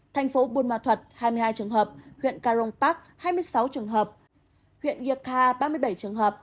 thành phố buôn ma thuật hai mươi hai trường hợp huyện carong park hai mươi sáu trường hợp huyện gia kha ba mươi bảy trường hợp